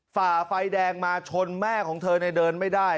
ฝ่าไฟแดงมาชนแม่ของเธอเดินไม่ได้